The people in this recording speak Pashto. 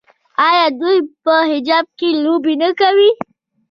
آیا دوی په حجاب کې لوبې نه کوي؟